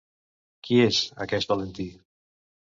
Qui és, aquest Valentí?